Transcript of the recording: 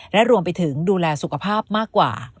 และรวมไปถึงดูแลสุขภาพมากกว่า